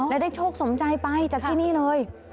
และได้โชคสมใจไปจากที่นี่เลย